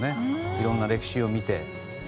いろんな歴史を見て。